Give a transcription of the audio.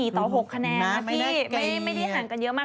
ต่อ๖คะแนนนะพี่ไม่ได้ห่างกันเยอะมาก